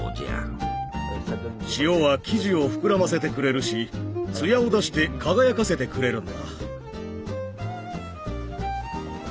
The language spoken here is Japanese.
塩は生地を膨らませてくれるしツヤを出して輝かせてくれるんだ。